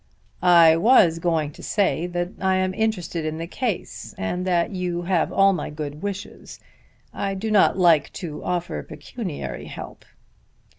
"I was going to say that I am interested in the case, and that you have all my good wishes. I do not like to offer pecuniary help."